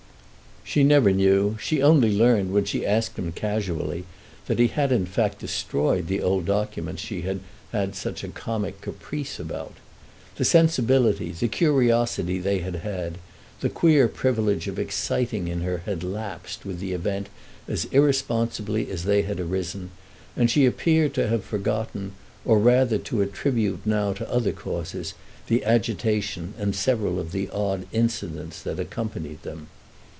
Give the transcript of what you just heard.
She never knew; she only learned, when she asked him casually, that he had in fact destroyed the old documents she had had such a comic caprice about. The sensibility, the curiosity they had had the queer privilege of exciting in her had lapsed with the event as irresponsibly as they had arisen, and she appeared to have forgotten, or rather to attribute now to other causes, the agitation and several of the odd incidents that accompanied them.